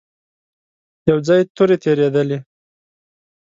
يو ځای تورې تېرېدلې.